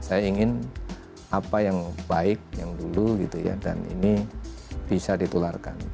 saya ingin apa yang baik yang dulu gitu ya dan ini bisa ditularkan